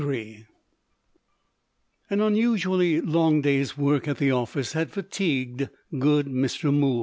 An unusually long day's work at the office had fatigued good Mr. Mool.